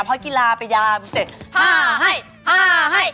เพราะกีฬาไปยาวเสร็จ๕ให้๕ให้